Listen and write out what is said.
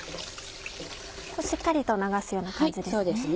しっかりと流すような感じですね。